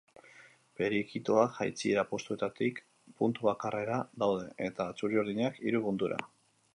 Perikitoak jaitsiera postuetatik puntu bakarrera daude, eta txuri-urdinak hiru puntura.